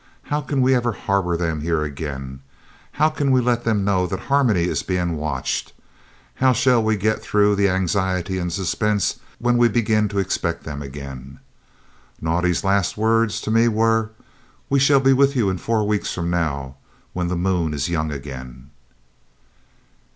"How can we ever harbour them here again? How can we let them know that Harmony is being watched? How shall we get through the anxiety and suspense when we begin to expect them again? Naudé's last words to me were, 'We shall be with you four weeks from now, when the moon is young again.'"